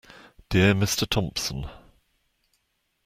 Dear Mr Thompson.